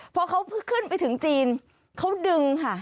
พอเขาขึ้นไปถึงจีนเขาดึงค่ะ